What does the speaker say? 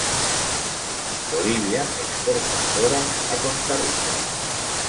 Bolivia exporta Bórax a Costa Rica.